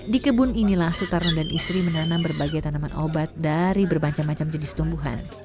di kebun inilah sutarno dan istri menanam berbagai tanaman obat dari bermacam macam jenis tumbuhan